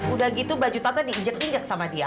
udah gitu baju tante diijek injek sama dia